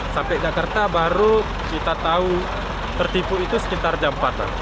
sampai jakarta baru kita tahu tertipu itu sekitar jam empat